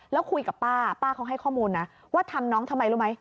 แล้วคุยกับป้าป้าเขาให้ข้อมูลนะว่าทำน้องทำไมรู้ไหม